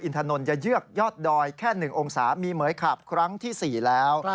ถนนจะเยือกยอดดอยแค่๑องศามีเหมือยขาบครั้งที่๔แล้ว